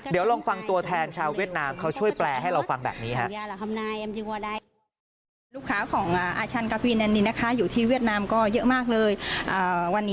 เดี๋ยวลองฟังตัวแทนชาวเวียดนามเขาช่วยแปลให้เราฟังแบบนี้ครับ